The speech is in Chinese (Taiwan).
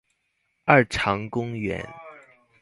二常公園